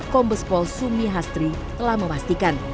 kombes pol sumi hastri telah memastikan